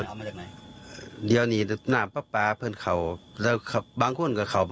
เอามาจากไหนเดี๋ยวนี้น้ำป๊าป๊าเพื่อนเขาแล้วบางคนก็เขา